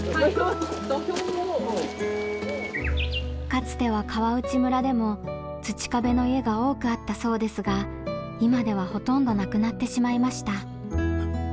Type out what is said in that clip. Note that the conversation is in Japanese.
かつては川内村でも土壁の家が多くあったそうですが今ではほとんどなくなってしまいました。